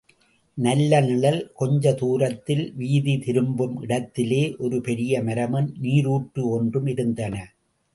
நல்ல நிழல், கொஞ்ச தூரத்தில் வீதி திரும்பும் இடத்திலே ஒரு பெரிய மரமும், நீருற்று ஒன்றும் இருந்தன.